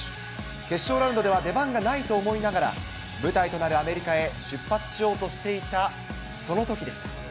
決勝ラウンドでは出番がないと思いながら、舞台となるアメリカへ出発しようとしていた、そのときでした。